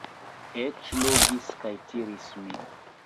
Eĉ logis kaj tiris min.